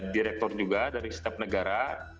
direktur juga dari setiap negara